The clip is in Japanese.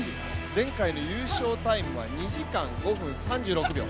前回の優勝タイムは２時間５分３６秒。